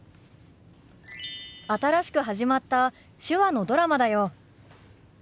新しく始まった手話のドラマだよ。